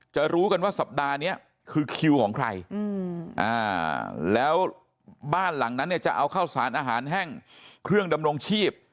รู้กันว่าสัปดาห์นี้คือคิวของใครแล้วบ้านหลังนั้นเนี่ยจะเอาข้าวสารอาหารแห้งเครื่องดำรงชีพ